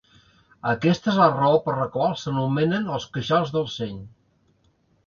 Aquesta és la raó per la qual s'anomenen els queixals del seny.